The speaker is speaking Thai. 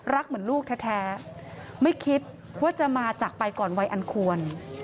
เหมือนลูกแท้ไม่คิดว่าจะมาจากไปก่อนวัยอันควร